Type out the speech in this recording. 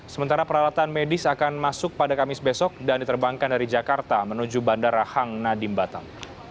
sementara peralatan medis akan masuk pada kamis besok dan diterbangkan dari jakarta menuju bandara hang nadim batam